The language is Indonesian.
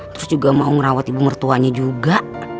terus juga mau ngerawat ibu mertuanya juga